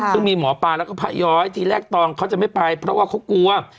ซึ่งมีหมอปลาแล้วก็พระย้อยทีแรกตองเขาจะไม่ไปเพราะว่าเขากลัว